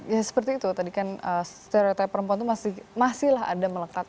ya seperti itu tadi kan stereotype perempuan itu masih lah ada melekat